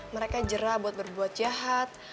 mereka jerah buat berbuat jahat